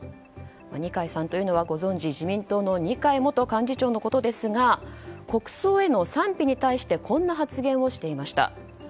二階さんというのはご存じ、自民党の二階元幹事長のことですが国葬への賛否に対してこんな発言をしていました。